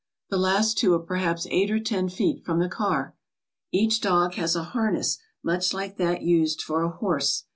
The last two are perhaps eight or ten feet from the car. Each dog has a harness much like that used for a horse.